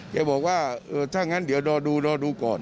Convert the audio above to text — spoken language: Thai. แกบอกว่าเออถ้างั้นเดี๋ยวรอดูรอดูก่อน